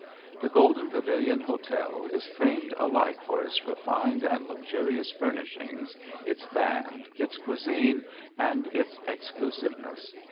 The Golden Pavilion Hotel is famed alike for its refined and luxurious furnishings, its band, its cuisine, and its exclusiveness.